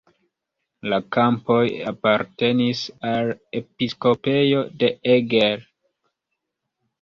La kampoj apartenis al episkopejo de Eger.